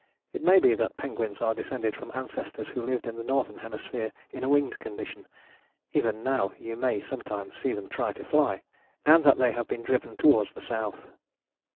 It may be that penguins are descended from ancestors who lived in the northern hemisphere in a winged condition (even now you may sometimes see them try to fly), and that they have been driven towards the south.